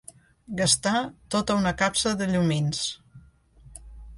Gastar tota una capsa de llumins.